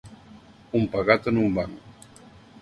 Un pegat en un banc.